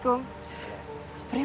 tentang surat itu